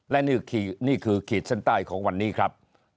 และนี่คือขีดเส้นใต้ของวันนี้ครับ